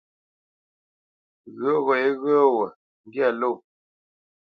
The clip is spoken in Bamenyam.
Ghyə̌ gho yéghyə́ gho ndyâ ló.